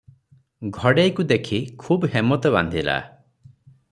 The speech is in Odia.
ଘଡ଼େଇକୁ ଦେଖି ଖୁବ୍ ହେମତ୍ ବାନ୍ଧିଲା ।